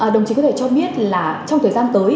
đồng chí có thể cho biết là trong thời gian tới